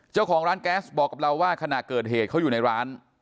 เจ้าของร้านแก๊สบอกกับเราว่าขณะเกิดเหตุเขาอยู่ในร้าน